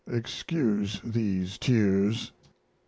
(Excuse these tears.)